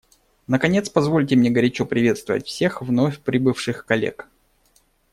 Наконец, позвольте мне горячо приветствовать всех вновь прибывших коллег.